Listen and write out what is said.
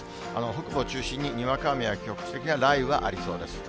北部を中心ににわか雨や局地的な雷雨がありそうです。